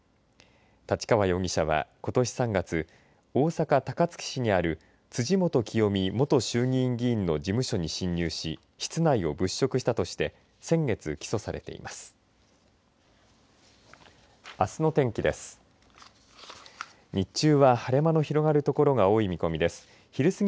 立川容疑者は、ことし３月大阪、高槻市にある辻元清美元衆議院議員の事務所に侵入し室内を物色したとして先月、起訴されています。